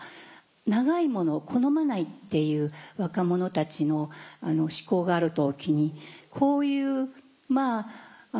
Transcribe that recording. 長いものを好まないっていう若者たちの趣向がある時にこういう。